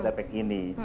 di jawa jawa tengah ini